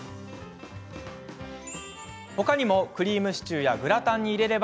他にも、クリームシチューやグラタンに入れれば